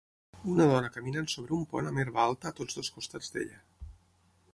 Una dona caminant sobre un pont amb herba alta a tots dos costats d'ella.